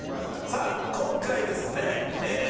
さあ今回ですねえー